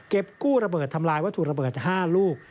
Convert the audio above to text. กู้ระเบิดทำลายวัตถุระเบิด๕ลูก